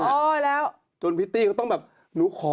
ออกมาให้เราบ้าง